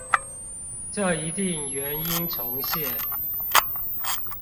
這一定原音重現